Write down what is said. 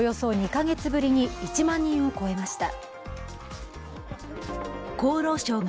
２か月ぶりに１万人を超えました。